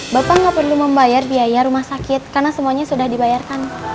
bapak nggak perlu membayar biaya rumah sakit karena semuanya sudah dibayarkan